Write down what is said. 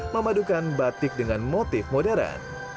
memadukan batik dengan motif modern